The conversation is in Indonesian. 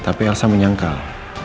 tapi elsa menyangkal